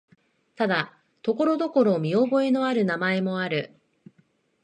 ただ、ところどころ見覚えのある名前もある。